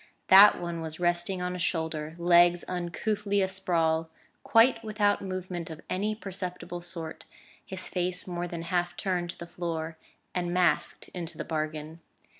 That one was resting on a shoulder, legs uncouthly a sprawl, quite without movement of any perceptible sort; his face more than half turned to the floor, and masked into the bargain.